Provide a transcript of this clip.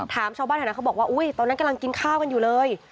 ถามชาวบ้านแถวนั้นเขาบอกว่าอุ๊ยตอนนั้นกำลังกินข้าวกันอยู่เลย